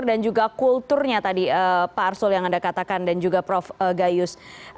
dan juga kulturnya tadi pak arsul yang anda katakan dan juga prof gayus